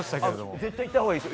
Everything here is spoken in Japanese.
絶対行ったほうがいいです。